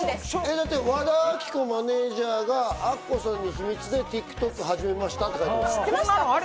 和田アキ子のマネジャーがアッコさんに秘密でＴｉｋＴｏｋ始めましたって書いてある。